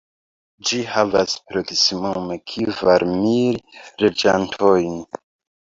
Ĝi havas proksimume kvar mil loĝantojn.